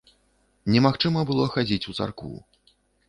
Немагчыма было хадзіць у царкву.